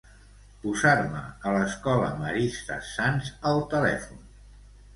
Posar-me a l'escola Maristes Sants al telèfon.